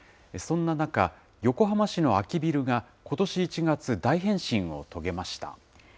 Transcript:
そんな中、横浜市の空きビルがことし１月、大変身を遂げました。